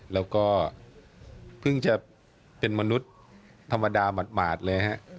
แล้วก็เพิ่งจะเป็นมนุษย์ธรรมดาหมาดเลยฮะ